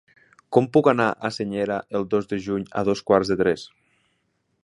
Com puc anar a Senyera el dos de juny a dos quarts de tres?